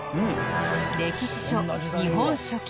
歴史書『日本書記』。